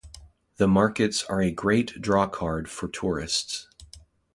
The markets are a great drawcard for tourists.